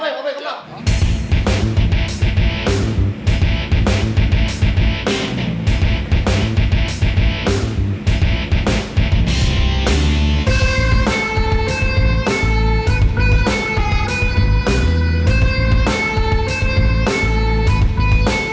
obeng obeng kembang